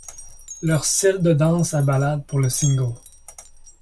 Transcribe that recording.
Leur style de dance à ballade pour le single.